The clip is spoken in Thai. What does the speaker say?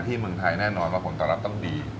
ที่เมืองไทยแน่นอนว่ามันตลอดต้องดี